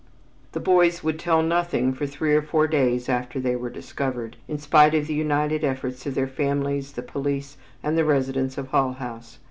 The boys would tell nothing for three or four days after they were discovered, in spite of the united efforts of their families, the police, and the residents of Hull House.